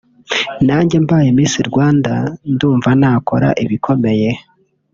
nanjye mbaye Miss Rwanda ndumva nakora ibikomeye